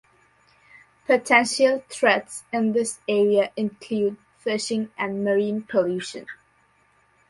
Potential threats in this area include fishing and marine pollution.